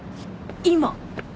今。